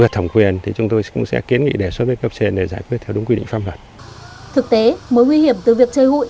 thực tế mối nguy hiểm từ việc chơi hụi